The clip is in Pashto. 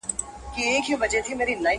دواړه سم د قلندر په ننداره سول٫